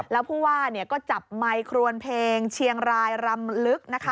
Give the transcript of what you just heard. แล้วผู้ว่าก็จับไมครวนเพลงเชียงรายรำลึกนะคะ